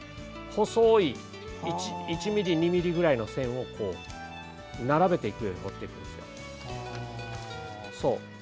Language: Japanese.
細い１ｍｍ、２ｍｍぐらいの線を並べていくように彫っていくんですね。